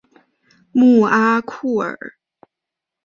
穆阿库尔。